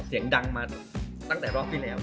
เสียงดังมาตั้งแต่รอบที่แล้ว